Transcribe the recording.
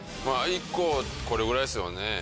１個これくらいですよね。